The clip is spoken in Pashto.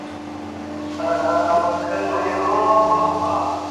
تاسو کولای شئ چې له هغوی څخه د مدیریت او سیاست درس واخلئ.